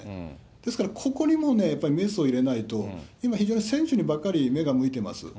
ですから、ここにも、メスを入れないと、今非常に、選手にばっかり目が向いてます。